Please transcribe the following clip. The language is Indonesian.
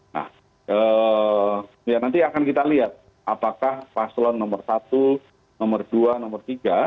nah ya nanti akan kita lihat apakah paslon nomor satu nomor dua nomor tiga